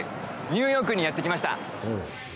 ニューヨークにやって来ました！